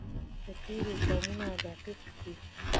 د تیلو پمپونه دقیق دي؟